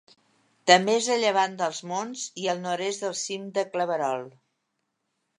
També és a llevant dels Monts i al nord-est del cim de Claverol.